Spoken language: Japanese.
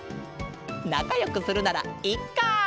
なかよくするならいっか！